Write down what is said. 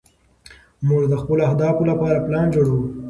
موږ د خپلو اهدافو لپاره پلان جوړوو.